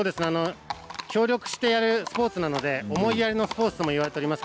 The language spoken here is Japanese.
協力してやるスポーツなので思いやりのあるスポーツとも言われています。